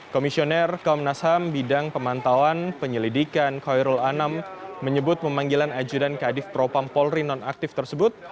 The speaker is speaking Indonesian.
komisioner komnas ham bidang pemantauan penyelidikan koirul anam menyebut memanggilan ajudan kadif propampolri nonaktif tersebut